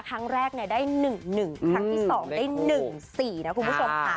ครั้งแรกได้๑๑ครั้งที่๒ได้๑๔นะคุณผู้ชมค่ะ